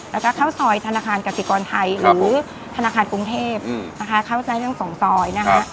แล้วก็เข้าซอยธนาคารกสิกรไทยหรือธนาคารกรุงเทพนะคะเข้าใช้ทั้งสองซอยนะคะ